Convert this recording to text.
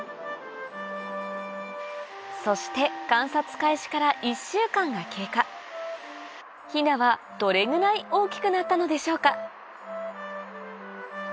そして観察開始から１週間が経過ヒナはどれぐらい大きくなったのでしょうか？